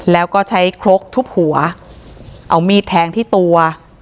แล้วก็ใช้ครกทุบหัวเอามีดแทงที่ตัว